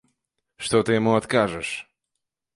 Што ты яму адкажаш?